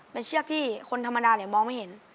เป็นเชือกที่คนธรรมดามองไม่เห็น